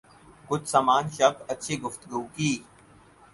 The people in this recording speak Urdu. کچھ سامان شب اچھی گفتگو کی